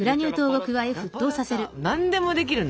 何でもできるね。